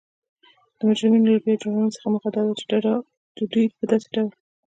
د مجرمینو له بیا جوړونې څخه موخه دا ده چی دوی په داسې ډول